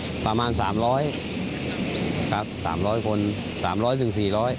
ได้ประมาณ๓๐๐คนตรง๓๐๐๔๐๐